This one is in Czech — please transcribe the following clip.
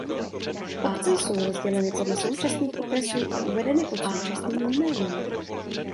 Obce jsou rozděleny podle současných okresů a uvedeny pod současným jménem.